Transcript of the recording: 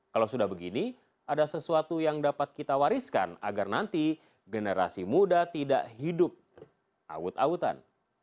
kalau sudah begini ada sesuatu yang dapat kita wariskan agar nanti generasi muda tidak hidup aut awutan